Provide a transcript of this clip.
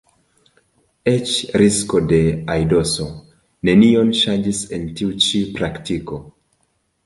Eĉ risko de aidoso nenion ŝanĝis en tiu ĉi praktiko.